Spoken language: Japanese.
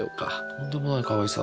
とんでもないかわいさ。